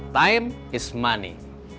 waltet tidak banyak